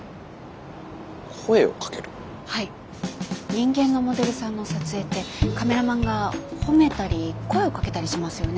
人間のモデルさんの撮影ってカメラマンが褒めたり声をかけたりしますよね。